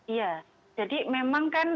iya jadi memang kan